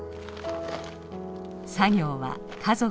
作業は家族総出。